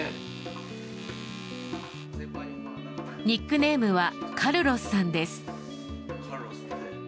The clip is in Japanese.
ニックネームはカルロスさんです。